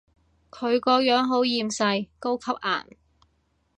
佢個樣好厭世，高級顏